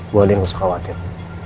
bu andien lu harus khawatir